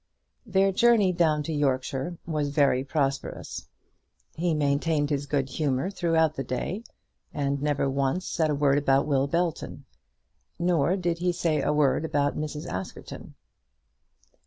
Their journey down to Yorkshire was very prosperous. He maintained his good humour throughout the day, and never once said a word about Will Belton. Nor did he say a word about Mrs. Askerton.